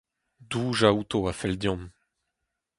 Doujañ outo a fell deomp.